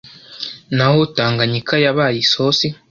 n'aho Tanganyika yabaye isosi